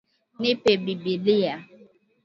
Nipe bibilia